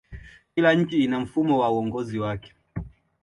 kila nchi ina mfumo wa uongozi wake